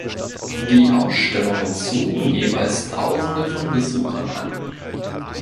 Die Ausstellungen zogen jeweils Tausende von Besuchern an.